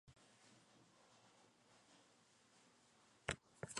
La mayor intensidad del color indica la mayor altura de las mareas.